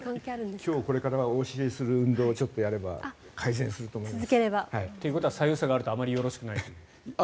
今日これからお教えする運動をちょっとやればということは左右差があるとあまりよろしくないと。